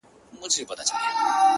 • سیاه پوسي ده ـ ژوند تفسیرېږي ـ